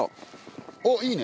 おっいいね。